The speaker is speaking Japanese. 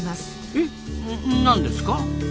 えっなんですか？